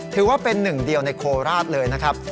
ถือว่าเป็นหนึ่งเดียวในโคราชเลยนะครับ